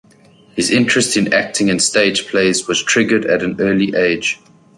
His interest in acting and stage plays was triggered at an early age.